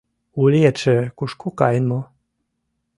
— Улиетше кушко каен мо?